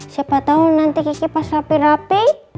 siapa tau nanti kiki pas rapi rapi